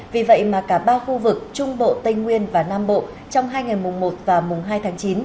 vì vậy mà cả ba khu vực trung bộ tây nguyên và nam bộ trong hai ngày mùng một và mùng hai tháng chín